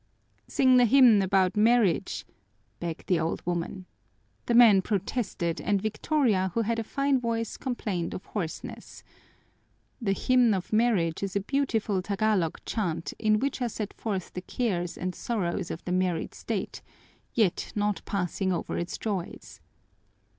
"Sing the hymn about marriage," begged the old women. The men protested and Victoria, who had a fine voice, complained of hoarseness. The "Hymn of Marriage" is a beautiful Tagalog chant in which are set forth the cares and sorrows of the married state, yet not passing over its joys.